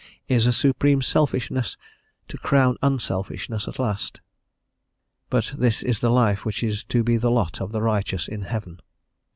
Is a supreme selfishness to crown unselfishness at last? But this is the life which is to be the lot of the righteous in heaven.